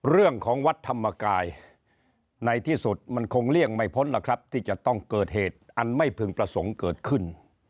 เรื่องของวัดธรรมกายในที่สุดมันคงเลี่ยงไม่พ้นล่ะครับที่จะต้องเกิดเหตุอันไม่พึงประสงค์เกิดขึ้น